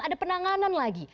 ada penanganan lagi